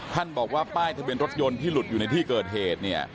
ท่านบอกว่าป้ายทะเบียนรถยนต์ที่หลุดอยู่ในที่เกิดเหตุเนี่ย